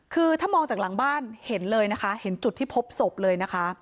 คือถ้ามองจากหลังบ้านเห็นเลยนะคะเห็นจุดที่พบศพเลยนะคะ